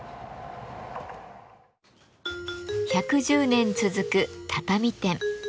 １１０年続く畳店。